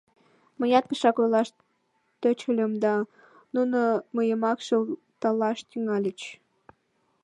— Мыят пешак ойлаш тӧчыльым да, нуно мыйымак шылталаш тӱҥальыч.